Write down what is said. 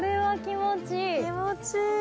気持ちいい。